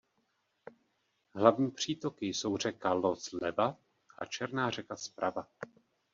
Hlavní přítoky jsou řeka Lo zleva a Černá řeka zprava.